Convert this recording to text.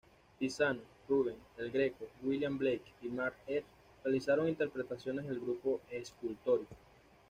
Tiziano, Rubens, El Greco, William Blake y Max Ernst realizaron interpretaciones del grupo escultórico.